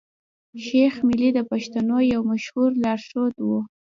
شېخ ملي د پښتنو يو مشهور لار ښود وو.